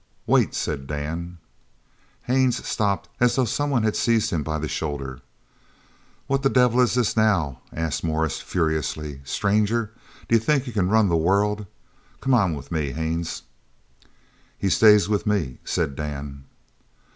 "Wait!" said Dan. Haines stopped as though someone had seized him by the shoulder. "What the devil is this now?" asked Morris furiously. "Stranger, d'you think you c'n run the world? Come on with me, Haines!" "He stays with me," said Dan.